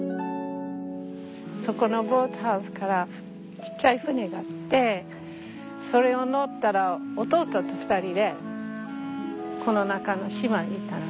そこのボートハウスからちっちゃい舟があってそれを乗ったら弟と２人でこの中の島に行ったのね。